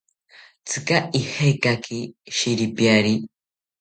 ¿Tzika ijekaki sheripiari?